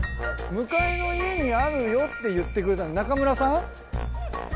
向かいの家にあるよって言ってくれたの中村さん？